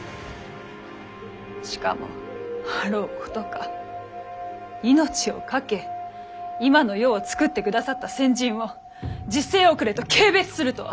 しかもあろうことか命をかけ今の世を作ってくださった先人を時勢遅れと軽蔑するとは！